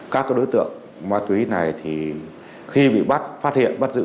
các đối tượng ma túy này khi bị bắt phát hiện bắt giữ